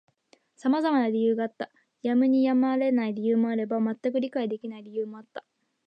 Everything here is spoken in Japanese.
様々な理由があった。やむにやまれない理由もあれば、全く理解できない理由もあった。